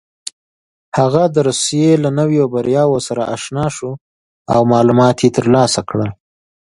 هغه د روسيې له نویو بریاوو سره اشنا شو او معلومات یې ترلاسه کړل.